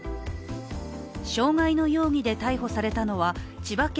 傷害の容疑で逮捕されたのは千葉県